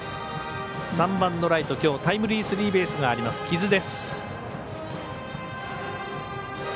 ３番のライト、きょうタイムリースリーベースがある木津です。